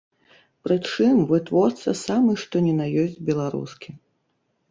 Прычым, вытворца самы што ні на ёсць беларускі.